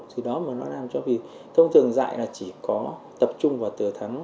thì đó mà nó làm cho vì thông thường dạy là chỉ có tập trung vào từ tháng